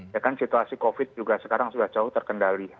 ya kan situasi covid juga sekarang sudah jauh terkendali